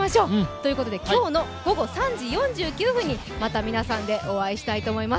ということで、今日の午後３時４９分にまた皆さんでお会いしたいと思います。